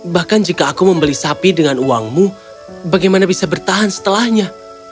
bahkan jika aku membeli sapi dengan uangmu bagaimana bisa bertahan setelahnya